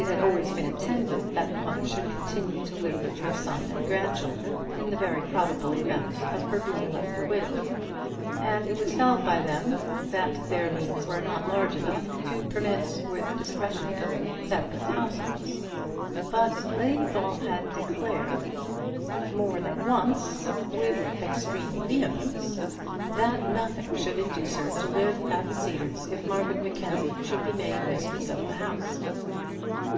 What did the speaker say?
It had always been intended that the mother should continue to live with her son and grandchildren in the very probable event of her being left a widow; and it was felt by them all that their means were not large enough to permit, with discretion, separate households; but Lady Ball had declared more than once with extreme vehemence that nothing should induce her to live at the Cedars if Margaret Mackenzie should be made mistress of the house.